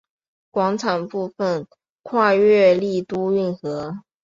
广场部分跨越丽都运河。